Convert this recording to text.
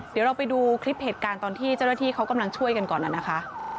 เดี๋ยวเราไปดูคลิปเหตุการณ์ตอนที่เจ้าหน้าที่เขากำลังช่วยกันก่อนนะคะ